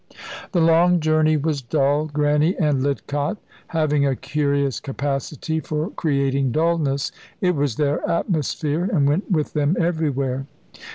The long journey was dull Grannie and Lidcott having a curious capacity for creating dullness. It was their atmosphere, and went with them everywhere.